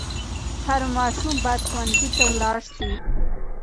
هر ماشوم باید ښوونځي ته ولاړ سي.